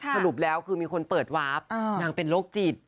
สรุปแล้วคือมีคนเปิดวาร์ฟนางเป็นโรคจิต